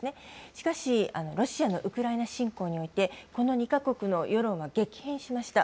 しかし、ロシアのウクライナ侵攻において、この２か国の世論は激変しました。